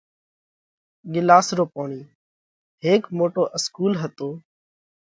ڳِلاس رو پوڻِي : هيڪ موٽو اِسڪُول هتو